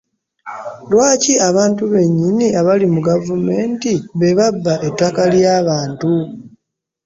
Lwaki abantu benyini abali mu gavumenti be babba ettaka ly'abantu?